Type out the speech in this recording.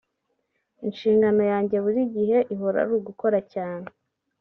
Inshingano yanjye buri gihe ihora ari ugukora cyane